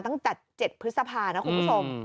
ตั้งแต่๗พฤษภานะคุณผู้ชม